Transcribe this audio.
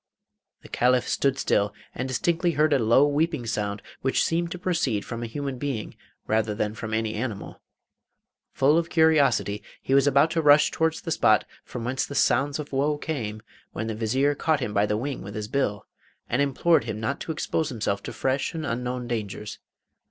The Caliph stood still and distinctly heard a low weeping sound which seemed to proceed from a human being rather than from any animal. Full of curiosity he was about to rush towards the spot from whence the sounds of woe came, when the Vizier caught him by the wing with his bill, and implored him not to expose himself to fresh and unknown dangers.